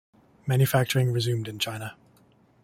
Manufacturing resumed in China.